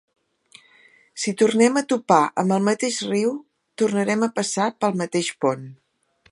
Si tornem a topar amb el mateix riu, tornarem a passar pel mateix pont.